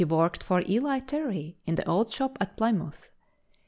He worked for Eli Terry in the old shop at Plymouth.